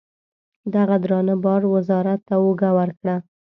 دغه درانه بار وزارت ته اوږه ورکړه.